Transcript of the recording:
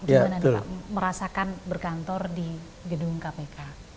gimana merasakan berkantor di gedung kpk